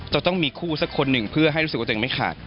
จะต้องมีคู่สักคนหนึ่งเพื่อให้รู้สึกว่าตัวเองไม่ขาด